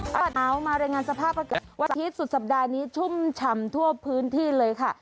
วันหนาวมารายงานสภาพประเกิดวันสัปดาห์พรีชสุดสัปดาห์นี้ชุ่มชำทั่วพื้นที่เลยค่ะ